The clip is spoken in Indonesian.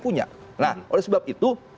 punya nah oleh sebab itu